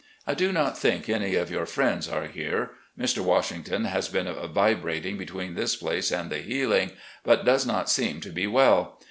... I do not think any of your friends are here. Mr. Washington has been vibrating between this place and the Healing, but does not seem to be well.